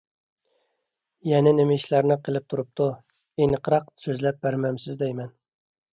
يەنە نېمە ئىشلارنى قىلىپ تۇرۇپتۇ؟ ئېنىقراق سۆزلەپ بەرمەمسىز دەيمەن!